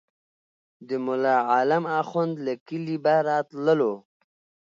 د ملا عالم اخند له کلي به راتللو.